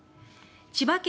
千葉県